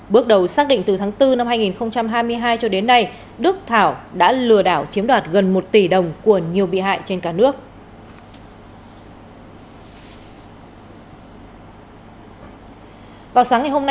bước đầu xác định từ tháng bốn năm hai nghìn hai mươi hai cho đến nay đức thảo đã lừa đảo chiếm đoạt gần một tỷ đồng của nhiều bị hại trên cả nước